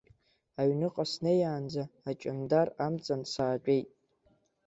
Аҩныҟа снеиаанӡа, аҷандар амҵан саатәеит.